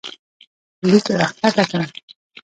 لیک راښکته کړه